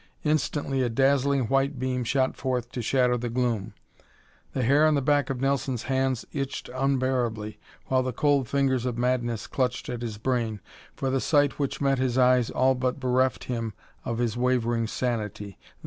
Instantly a dazzling white beam shot forth to shatter the gloom. The hair on the back of Nelson's hands itched unbearably, while the cold fingers of madness clutched at his brain, for the sight which met his eyes all but bereft him of his wavering sanity.